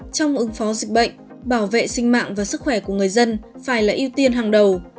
trong ứng phó dịch bệnh bảo vệ sinh mạng và sức khỏe của người dân phải là ưu tiên hàng đầu